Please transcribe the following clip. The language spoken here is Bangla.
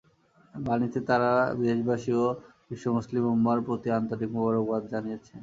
বাণীতে তাঁরা দেশবাসী ও বিশ্ব মুসলিম উম্মাহর প্রতি আন্তরিক মোবারকবাদ জানিয়েছেন।